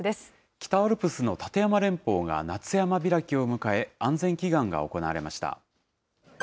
北アルプスの立山連峰が夏山開きを迎え、安全祈願が行われました。